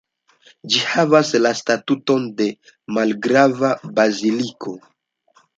Ĝi havas la statuton de malgrava baziliko.